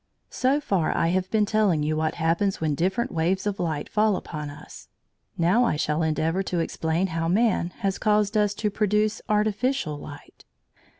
So far I have been telling you what happens when different waves of light fall upon us. Now I shall endeavour to explain how man has caused us to produce artificial light.